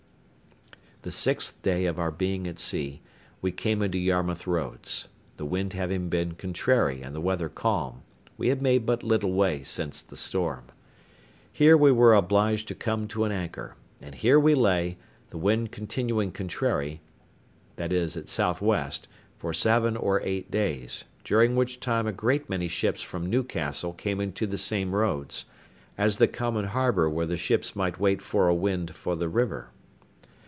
The sixth day of our being at sea we came into Yarmouth Roads; the wind having been contrary and the weather calm, we had made but little way since the storm. Here we were obliged to come to an anchor, and here we lay, the wind continuing contrary—viz. at south west—for seven or eight days, during which time a great many ships from Newcastle came into the same Roads, as the common harbour where the ships might wait for a wind for the river.